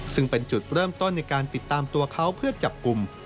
ซึ่งเป็นจุดเริ่มต้นในการติดตามตัวเขาเพื่อจับกลุ่ม